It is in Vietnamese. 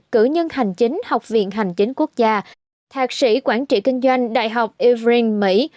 cử nhân hành chính học viện hành chính quốc gia thạc sĩ quản trị kinh doanh đại học egreen mỹ